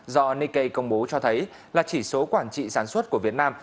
do nikkei công bố cho thấy là chỉ số quản trị sản xuất của việt nam